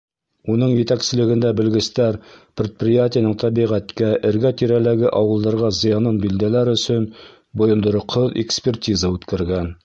Уның етәкселегендә белгестәр предприятиеның тәбиғәткә, эргә-тирәләге ауылдарға зыянын билдәләр өсөн бойондороҡһоҙ экспертиза үткәргән.